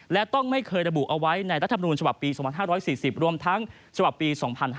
และต้องไม่เคยระบุเอาไว้ในรัฐมนูญฉบับปี๒๕๔๐รวมทั้งฉบับปี๒๕๕๙